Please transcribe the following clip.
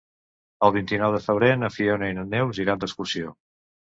El vint-i-nou de febrer na Fiona i na Neus iran d'excursió.